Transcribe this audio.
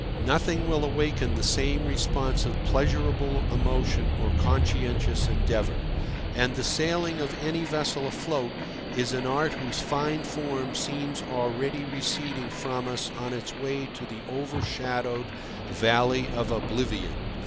Nothing will awaken the same response of pleasurable emotion or conscientious endeavour. And the sailing of any vessel afloat is an art whose fine form seems already receding from us on its way to the overshadowed Valley of Oblivion.